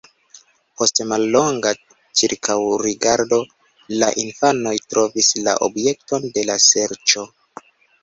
Post mallonga ĉirkaŭrigardo la infanoj trovis la objekton de la serĉo.